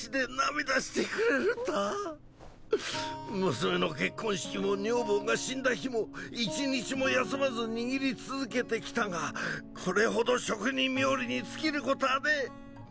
娘の結婚式も女房が死んだ日も一日も休まず握り続けてきたがこれほど職人冥利に尽きるこたぁねぇ。